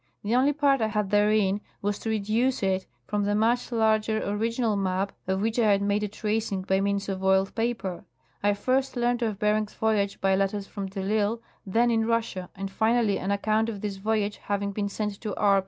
* X * 'j'jjg only part I had therein was to reduce it from the much larger original map, of which I had made a tracing by means of oiled pajaer. I first learned of Bering's voyage by letters from de I'lsle, then in Russia ; and finally an account of this voyage having been sent to R.